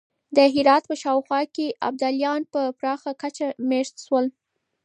د هرات په شاوخوا کې ابدالیان په پراخه کچه مېشت شول.